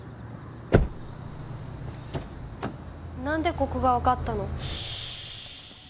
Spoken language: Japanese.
何でここが分かったの？